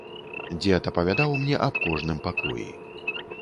Дзед апавядаў мне аб кожным пакоі.